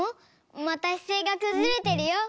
またしせいがくずれてるよ。